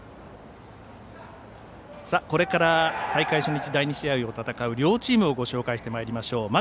これから大会初日第２試合を戦う両チームをご紹介してまいりましょう。